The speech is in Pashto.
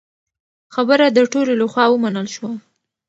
خبره د ټولو له خوا ومنل شوه.